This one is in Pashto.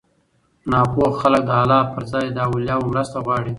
ناپوهه خلک د الله پر ځای له اولياوو مرسته غواړي